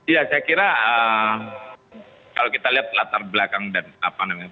ya saya kira kalau kita lihat latar belakang dan apa namanya